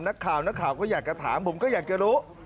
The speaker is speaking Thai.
นักข่าวนักข่าวก็อยากจะถามผมก็อยากจะรู้